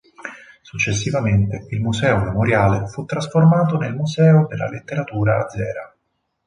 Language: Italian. Successivamente, il museo memoriale fu trasformato nel Museo della letteratura azera.